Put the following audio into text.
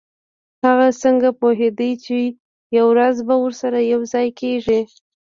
هغه څنګه پوهیده چې یوه ورځ به ورسره یوځای کیږي